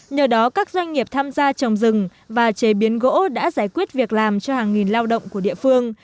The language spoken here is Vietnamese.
nhờ đó các doanh nghiệp tham gia trồng rừng và chế biến gỗ đã giải quyết việc làm cho hàng nghìn lao động của địa phương